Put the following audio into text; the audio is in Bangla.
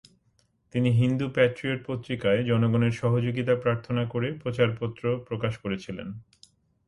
তিনি হিন্দু প্যাট্রিয়ট পত্রিকায় জনগণের সহযোগিতা প্রার্থনা করে প্রচারপত্র প্রকাশ করেছিলেন।